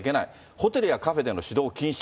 ホテルやカフェでの指導禁止。